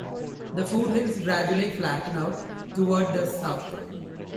The foothills gradually flatten out toward the south.